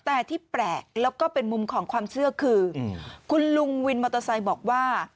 แต่ที่แปลกแล้วก็เป็นมุมของความเชื่อคือคุณลุงวินมอเตอร์ไซค์บอกว่า